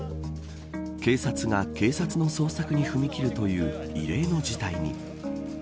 警察が警察の捜索に踏み切るという異例の事態に。